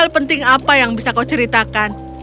hal penting apa yang bisa kau ceritakan